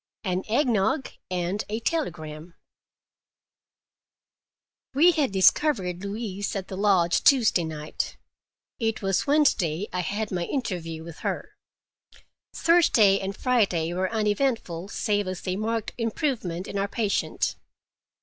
AN EGG NOG AND A TELEGRAM We had discovered Louise at the lodge Tuesday night. It was Wednesday I had my interview with her. Thursday and Friday were uneventful, save as they marked improvement in our patient.